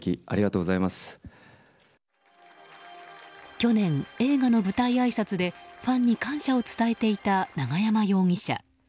去年、映画の舞台あいさつでファンに感謝を伝えていた永山容疑者。